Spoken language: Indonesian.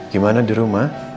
gimana di rumah